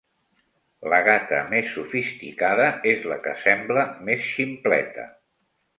La gata més sofisticada és la que sembla més ximpleta.